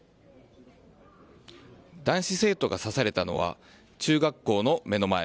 男子生徒が刺されたのは中学校の目の前。